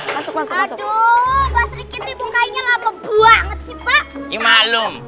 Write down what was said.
mas rikiti bukainya apa buanget sih pak